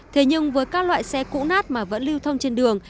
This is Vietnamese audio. thế nhưng với các loại xe cũ nát mà vẫn lưu thông trên đường